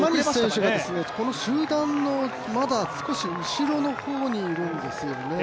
山西選手が、この集団のまだ少し後ろの方にいるんですよね。